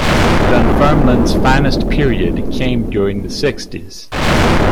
Dunfermline's finest period came during the sixties.